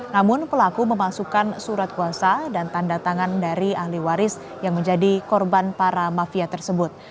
namun pelaku memasukkan surat kuasa dan tanda tangan dari ahli waris yang menjadi korban para mafia tersebut